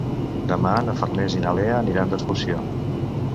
Demà na Farners i na Lea aniran d'excursió.